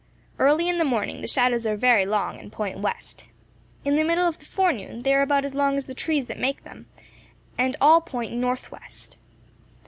Early in the morning the shadows are very long, and point west. In the middle of the forenoon, they are about as long as the trees that make them, and all point north west.